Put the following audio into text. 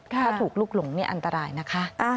ถ้าถูกลุกหลงนี่อันตรายนะคะ